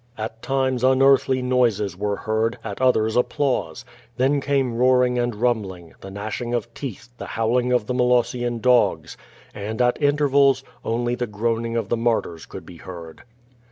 At times unearthly noises were heard, at others applause; then came roaring and rumbling, the gnash ing of teeth, the howling of the Molossian dogs. And, at inten'als, only the groaning of the martyrs could be heard.